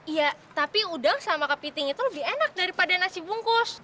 iya tapi udang sama kepiting itu lebih enak daripada nasi bungkus